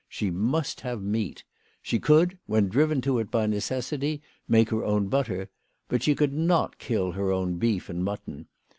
She must have meat. She could, when driven to it by necessity, make her own butter ; but she could not kill her own beef and mutton.